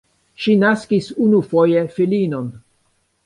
Ŝi naskis unufoje filinon.